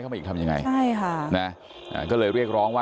ใช่ค่ะ